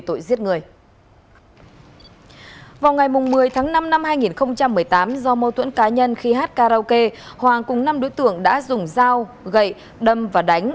trong mâu thuẫn cá nhân khi hát karaoke hoàng cùng năm đối tượng đã dùng dao gậy đâm và đánh